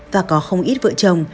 và có không ít vợ chồng